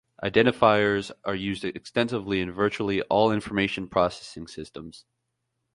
Identifiers are used extensively in virtually all information processing systems.